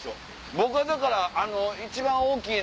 僕はだから。